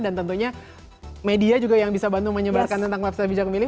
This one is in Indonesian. dan tentunya media juga yang bisa bantu menyebarkan tentang website bijak memilih